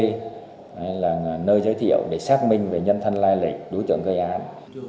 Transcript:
đây là nơi giới thiệu để xác minh về nhân thân lai lịch đối tượng gây án